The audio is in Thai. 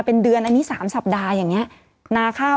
ศูนย์อุตุนิยมวิทยาภาคใต้ฝั่งตะวันอ่อค่ะ